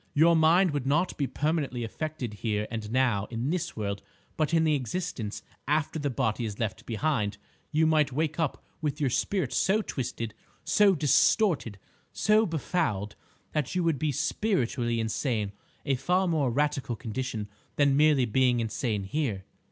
Your mind would not be permanently affected here and now, in this world; but in the existence after the body is left behind, you might wake up with your spirit so twisted, so distorted, so befouled, that you would be spiritually insane—a far more radical condition than merely being insane here."